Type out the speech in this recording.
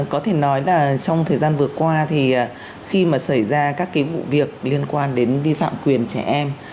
có thể nói là trong thời gian vừa qua thì khi mà xảy ra các cái vụ việc liên quan đến vi phạm quyền trẻ em